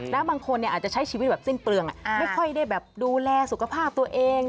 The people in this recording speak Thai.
แล้วบางคนอาจจะใช้ชีวิตแบบสิ้นเปลืองไม่ค่อยได้แบบดูแลสุขภาพตัวเอง